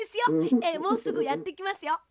ええもうすぐやってきますよ。